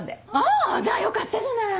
あじゃあよかったじゃない！